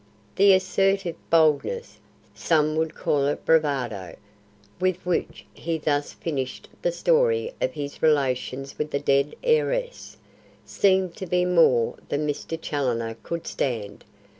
The assertive boldness some would call it bravado with which he thus finished the story of his relations with the dead heiress, seemed to be more than Mr. Challoner could stand.